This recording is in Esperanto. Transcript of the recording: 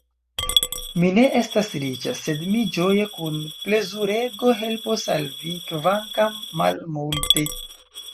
Mi ne estas riĉa, sed mi ĝoje, kun plezurego helpos al vi kvankam malmulte.